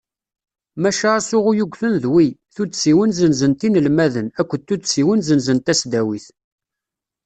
Maca asuɣu yugten d wi: Tuddsiwin senzent inelmaden akked Tuddsiwin senzent tasdawit.